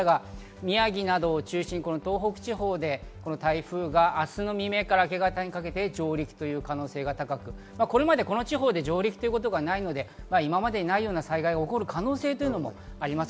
宮城などを中心に東北地方で台風が明日未明から明け方にかけて上陸という可能性が高く、これまでこの地方で上陸ということがないので今までにない災害が起こる可能性もあります。